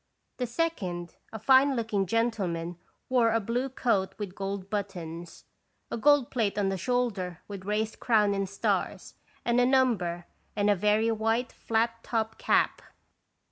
'' The second, a fine looking gentleman, wore a blue coat with gold buttons, a gold plate on the shoulder with raised crown and stars and a number, and a very white flat topped cap.